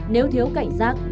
nếu thiếu cảnh giác